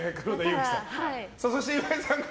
そして、岩井さんが？